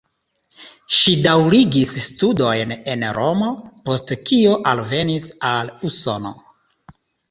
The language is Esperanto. Ŝi daŭrigis studojn en Romo, post kio alvenis al Usono.